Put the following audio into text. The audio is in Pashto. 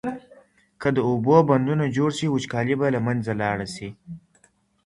که د اوبو بندونه جوړ سي وچکالي به له منځه لاړه سي.